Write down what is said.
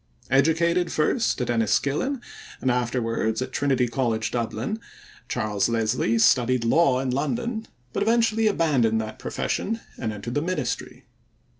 Educated first at Enniskillen and afterwards at Trinity College, Dublin, Charles Leslie studied law in London, but eventually abandoned that profession and entered the ministry.